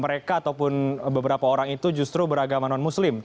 mereka ataupun beberapa orang itu justru beragama non muslim